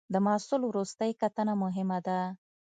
د محصول وروستۍ کتنه مهمه ده.